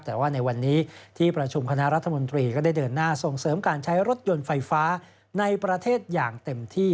แต่ว่าในวันนี้ที่ประชุมคณะรัฐมนตรีก็ได้เดินหน้าส่งเสริมการใช้รถยนต์ไฟฟ้าในประเทศอย่างเต็มที่